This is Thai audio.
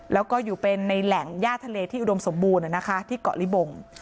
แล้วก็อยู่เป็นในแหล่งย่าทะเลที่อุดมสมบูรณ์ที่เกาะลิบง